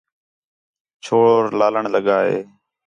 چھوڑ لالݨ لڳا ہے